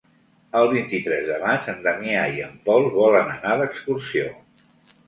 El vint-i-tres de maig en Damià i en Pol volen anar d'excursió.